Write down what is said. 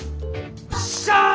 よっしゃ！